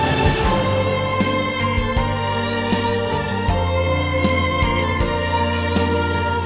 eh randy gimana